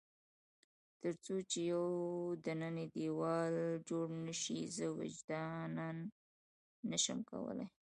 تر څو چې یو دننی دېوال جوړ نه شي، زه وجداناً نه شم کولای.